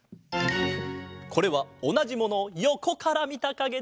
これはおなじものをよこからみたかげだ。